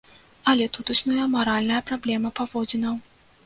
Але тут існуе маральная праблема паводзінаў.